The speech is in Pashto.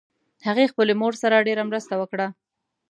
هغې خپلې مور سره ډېر مرسته وکړه